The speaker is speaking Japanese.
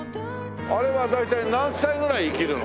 あれは大体何歳ぐらい生きるの？